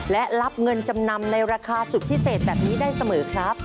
และรับเงินจำนำในราคาสุดพิเศษแบบนี้ได้เสมอครับ